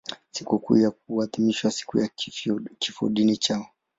Sikukuu yao huadhimishwa siku ya kifodini chao.